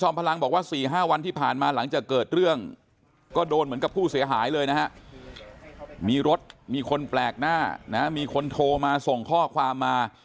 มีในชนมีคนแปลกหน้ามีคนโทรมาส่งข้อความมา